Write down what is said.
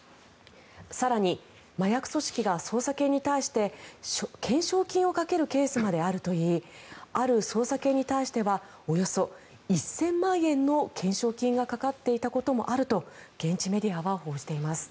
更に、麻薬組織が捜査犬に対して懸賞金をかけるケースまであるといいある捜査犬に対してはおよそ１０００万円の懸賞金がかかっていたこともあると現地メディアは報じています。